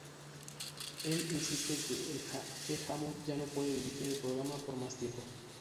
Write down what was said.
Él insiste en que Hammond ya no puede dirigir el programa por más tiempo.